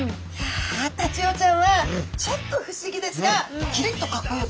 タチウオちゃんはちょっと不思議ですがきりっとかっこよく！